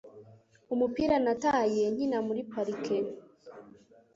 Umupira nataye nkina muri parike